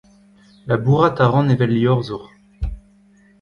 Labourat a ran evel liorzhour.